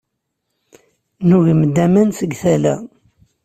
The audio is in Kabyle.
Nugem-d aman seg tala.